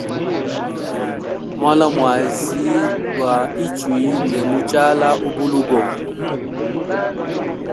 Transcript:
Mwana mwazi gwa ichwi nde muchala ubulugo.